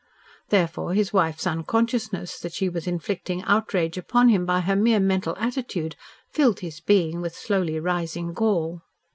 Therefore his wife's unconsciousness that she was inflicting outrage upon him by her mere mental attitude filled his being with slowly rising gall.